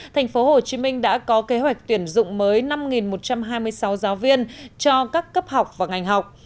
tp hcm đã có kế hoạch tuyển dụng mới năm một trăm hai mươi sáu giáo viên cho các cấp học và ngành học